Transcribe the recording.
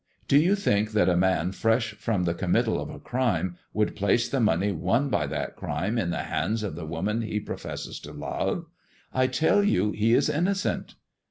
Do you think that a man fresh from the committal of a crime would place the money won by that crime in the hands of the woman he professes to love 1 I tell you he is innocent."